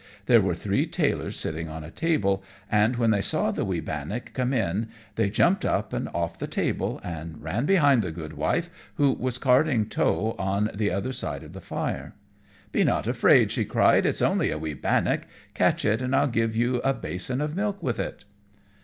There were three tailors sitting on a table, and when they saw the wee bannock come in they jumped up and off the table, and ran behind the good wife who was carding tow on the other side of the fire. "Be not afraid," she cried, "it's only a wee bannock. Catch it, and I'll give you a basin of milk with it."